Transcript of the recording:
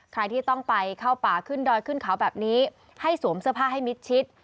ใครที่ต้องไปเข้าป่าขึ้นดอยขึ้นเขาแบบนี้ให้สวมเสื้อผ้าให้มิดชิด